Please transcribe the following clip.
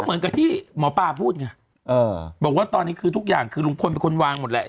เหมือนกับที่หมอปลาพูดไงบอกว่าตอนนี้คือทุกอย่างคือลุงพลเป็นคนวางหมดแหละ